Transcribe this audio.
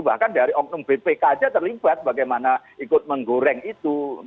bahkan dari oknum bpk aja terlibat bagaimana ikut menggoreng itu